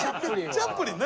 チャップリンね。